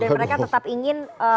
dan mereka tetap ingin